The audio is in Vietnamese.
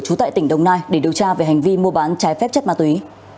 trú tại tỉnh đồng nai để điều tra về hành vi mua bán trái phép chất ma túy